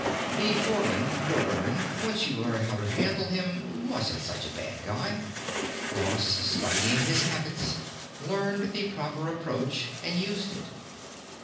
The foreman, Dobermann, once you learned how to handle him, wasn't such a bad guy. Ross, studying his habits, learned the proper approach and used it.